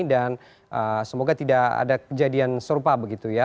dan semoga tidak ada kejadian serupa begitu ya